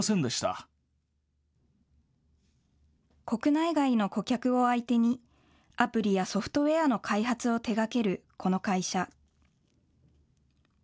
国内外の顧客を相手にアプリやソフトウェアの開発を手がけるこの会社。